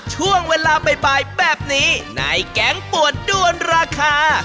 ช่วงเวลาบ่ายแบบนี้ในแก๊งปวดด้วนราคา